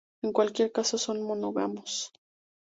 En cualquier caso, son monógamos.